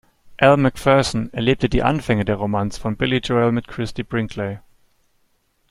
Elle Macpherson erlebte die Anfänge der Romanze von Billy Joel mit Christie Brinkley.